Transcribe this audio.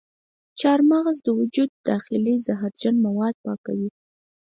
چارمغز د وجود داخلي زهرجن مواد پاکوي.